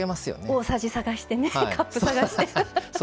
大さじ探してねカップ探して。